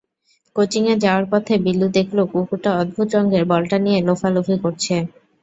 কোচিংয়ে যাওয়ার পথে বিলু দেখল, কুকুরটা অদ্ভুত রঙের বলটা নিয়ে লোফালুফি করছে।